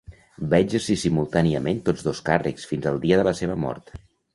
Va exercir simultàniament tots dos càrrecs, fins al dia de la seva mort.